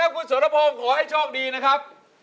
คุณสรพงศ์ขอให้โชคดีนะครับ